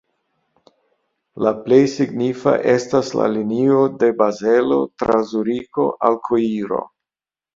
La plej signifa estas la linio de Bazelo tra Zuriko al Koiro.